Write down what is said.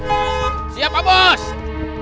udah p wii